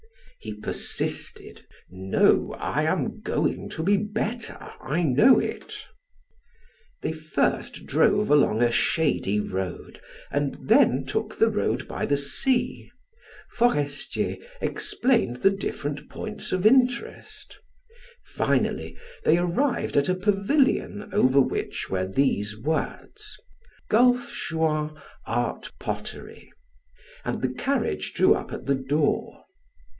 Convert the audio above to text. He persisted: "No, I am going to be better, I know it." They first drove along a shady road and then took the road by the sea. Forestier explained the different points of interest. Finally they arrived at a pavilion over which were these words: "Gulf Juan Art Pottery," and the carriage drew up at the door.